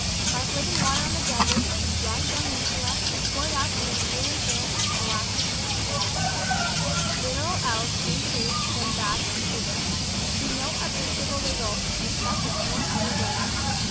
Like living water on the desert, his young bright intellect was poured out on the dreary sands of scholastic divinity (little else, in truth, than "bad metaphysics"), to no appreciable result, except its own utter waste.